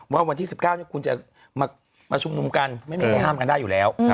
วันที่๑๙คุณจะมาชุมนุมกันไม่มีใครห้ามกันได้อยู่แล้ว